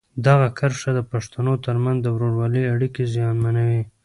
دغه کرښه د پښتنو ترمنځ د ورورولۍ اړیکې زیانمنوي.